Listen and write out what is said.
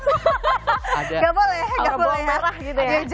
nggak boleh ya aura bawang merah gitu ya